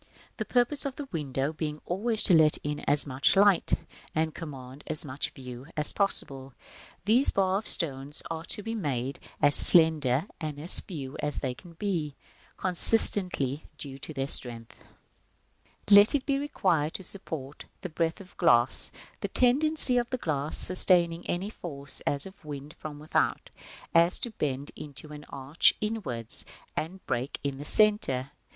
§ V. The purpose of the window being always to let in as much light, and command as much view, as possible, these bars of stone are to be made as slender and as few as they can be, consistently with their due strength. [Illustration: Fig. XLV.] Let it be required to support the breadth of glass, a, b, Fig. XLV. The tendency of the glass sustaining any force, as of wind from without, is to bend into an arch inwards, in the dotted line, and break in the centre.